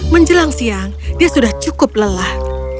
menjelang siang dia sudah cukup lelah